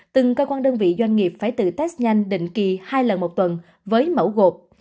từng cơ quan đơn vị doanh nghiệp phải tự test nhanh định kỳ hai lần một tuần với mẫu gộp